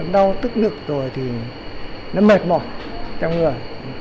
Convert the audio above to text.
đau tức ngực rồi thì nó mệt mỏi trong người